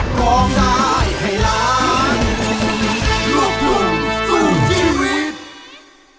ก็ขอให้เธอยักษาขึ้นเรือนั้นไป